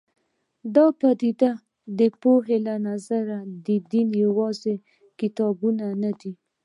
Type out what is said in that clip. د پدیده پوهنې له نظره دین یوازې کتابونه نه دي.